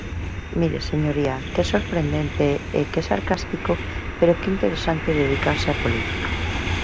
Mire, señoría, ¡que sorprendente e que sarcástico, pero que interesante dedicarse á política!